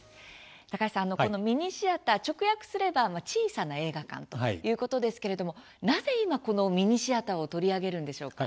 高橋さん、ミニシアター直訳すれば小さな映画館ということですけれどもなぜ今、このミニシアターを取り上げるんでしょうか。